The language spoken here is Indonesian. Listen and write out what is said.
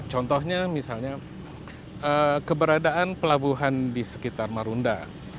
contohnya misalnya keberadaan pelabuhan di sekitar marunda